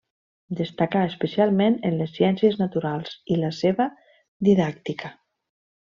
Destacà especialment en les ciències naturals i la seva didàctica.